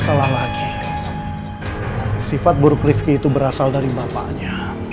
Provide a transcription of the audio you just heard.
tidak salah lagi sifat buruk rifki itu berasal dari bapaknya